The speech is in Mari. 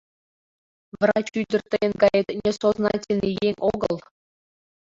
Врач ӱдыр тыйын гает несознательный еҥ огыл.